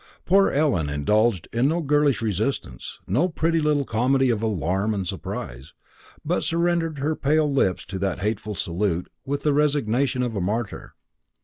Poor Ellen indulged in no girlish resistance, no pretty little comedy of alarm and surprise, but surrendered her pale lips to the hateful salute with the resignation of a martyr.